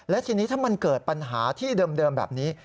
และทีนี้ถ้ามันเกิดปัญหาที่เดิมแบบนี้